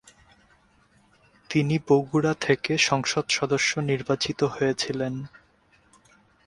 তিনি বগুড়া থেকে সংসদ সদস্য নির্বাচিত হয়েছিলেন।